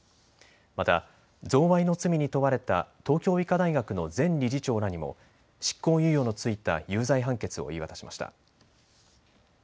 また贈賄の罪に問われた東京医科大学の前理事長らにも執行猶予の付いた有罪判決を言い渡しました。